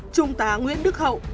trung tá nguyễn đức hậu